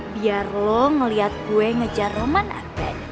biar lo ngeliat gue ngejar roman ardhan